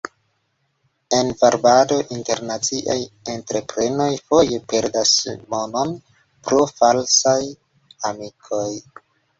En varbado, internaciaj entreprenoj foje perdas monon pro falsaj amikoj.